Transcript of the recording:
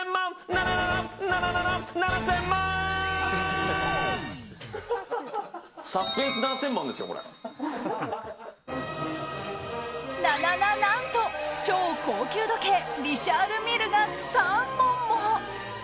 ななな、何と超高級時計リシャール・ミルが３本も。